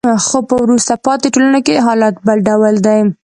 خو په وروسته پاتې ټولنو کې حالت بل ډول دی.